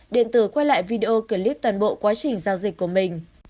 điện tử quay lại video clip toàn bộ quá trình giao dịch của mình